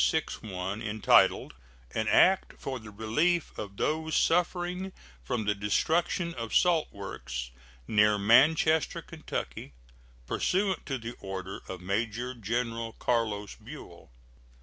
161, entitled "An act for the relief of those suffering from the destruction of salt works near Manchester, Ky., pursuant to the order of Major General Carlos Buell."